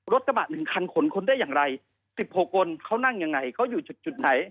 กระบะ๑คันขนคนได้อย่างไร๑๖คนเขานั่งยังไงเขาอยู่จุดไหน